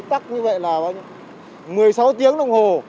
tắt như vậy là một mươi sáu tiếng đồng hồ